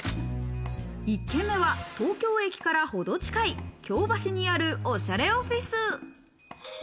１軒目は東京駅からほど近い、京橋にあるおしゃれオフィス。